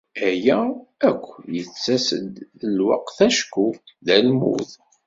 Aya akk yettas-d s lweqt acku d almud.